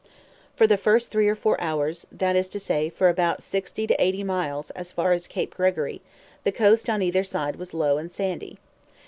For the first three or four hours that is to say, for about sixty to eighty miles, as far as Cape Gregory the coast on either side was low and sandy.